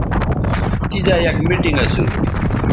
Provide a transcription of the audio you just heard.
تیزا یک میٹنگ اسو